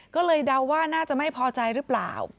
ก็เลยเดาว่าน่าจะไม่พอใจหรือเปล่า